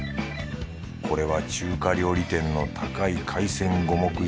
これは中華料理店の高い海鮮五目